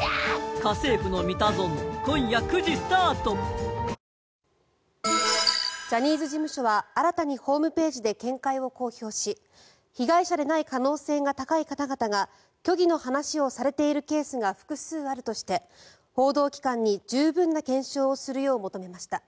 治療を目指すサイエンスの力でがん治療に新しいあたりまえをジャニーズ事務所は新たにホームページで見解を公表し被害者でない可能性が高い方々が虚偽の話をされているケースが複数あるとして報道機関に十分な検証をするよう求めました。